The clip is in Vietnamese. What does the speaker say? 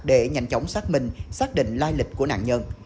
để nhanh chóng xác minh xác định lai lịch của nạn nhân